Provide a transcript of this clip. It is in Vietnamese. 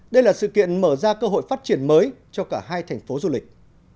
đây là sự kiện mở ra cơ hội phát triển mới cho cả hai thành phố du lịch